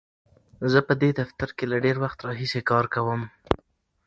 زه په دې دفتر کې له ډېر وخت راهیسې کار کوم.